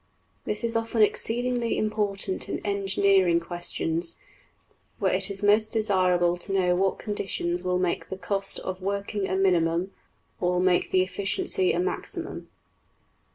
This is often exceedingly important in engineering questions, where it is most desirable to know what conditions will make the cost of working a minimum, or will make the efficiency a maximum.